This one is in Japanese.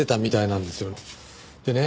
でね